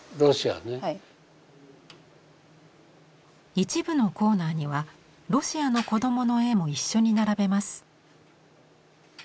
一部のコーナーにはロシアの子どもの絵も一緒に並べます。